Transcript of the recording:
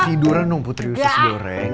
tiduran dong putri tis goreng